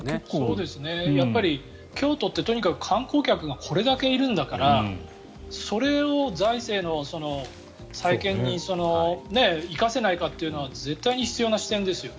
やっぱり京都って観光客がこれだけいるんだからそれを財政の再建に生かせないかというのは絶対に必要な視点ですよね。